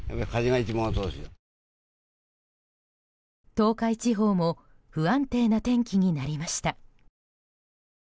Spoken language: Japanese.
東海地方も不安定な天気になりました。